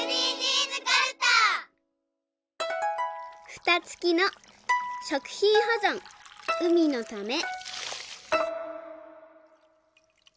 「ふたつきの食品ほぞん海のため」。